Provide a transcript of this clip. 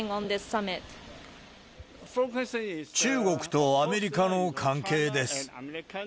中国とアメリカの関係です。